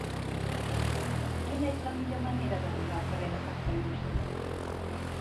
Quina és la millor manera d'arribar al carrer de Santa Llúcia?